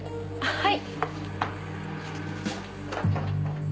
はい。